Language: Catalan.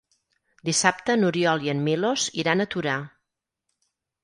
Dissabte n'Oriol i en Milos iran a Torà.